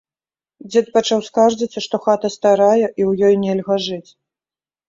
Дзед пачаў скардзіцца, што хата старая і ў ёй нельга жыць.